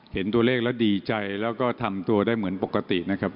เห็นตัวเลขแล้วดีใจแล้วก็ทำตัวได้เหมือนปกตินะครับ